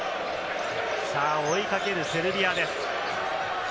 追いかけるセルビアです。